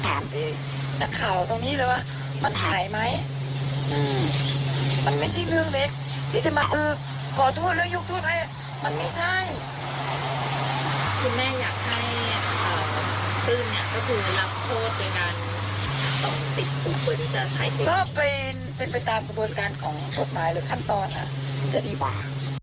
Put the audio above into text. อันตอนน่ะมันจะดีกว่า